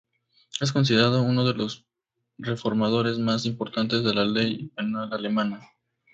Es considerado uno de los reformadores más importantes de la ley penal alemana.